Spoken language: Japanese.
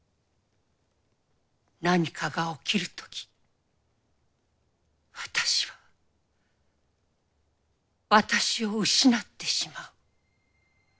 何かが起きるとき私は私を失ってしまう。